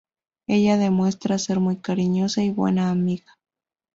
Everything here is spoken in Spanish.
Ella demuestra ser muy cariñosa y buena amiga.